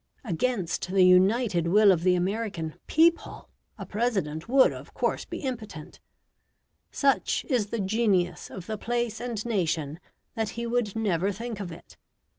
Against the united will of the American PEOPLE a President would of course be impotent; such is the genius of the place and nation that he would never think of it.